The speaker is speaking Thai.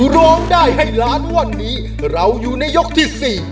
ร้องได้ให้ล้านวันนี้เราอยู่ในยกที่๔